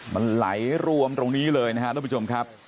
มันไหลรวมตรงนี้เลยนะครับทุกผู้ชมครับ